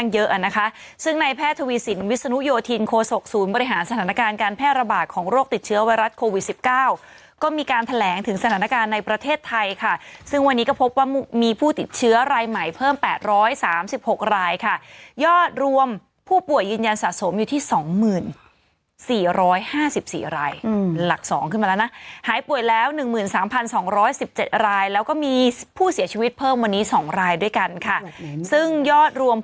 เยอะนะคะซึ่งในแพทย์ทวีสินวิสนุโยธินโคศกศูนย์บริหารสถานการณ์การแพร่ระบาดของโรคติดเชื้อไวรัสโควิด๑๙ก็มีการแถลงถึงสถานการณ์ในประเทศไทยค่ะซึ่งวันนี้ก็พบว่ามีผู้ติดเชื้อรายใหม่เพิ่ม๘๓๖รายค่ะยอดรวมผู้ป่วยยืนยันสะสมอยู่ที่๒๐๔๕๔รายหลัก๒ขึ้นมาแล้วนะหายป่วยแล้ว๑๓